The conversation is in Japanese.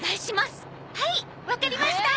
はいわかりました。